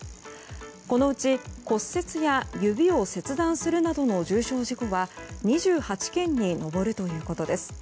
このうち、骨折や指を切断するなどの重傷事故は２８件に上るということです。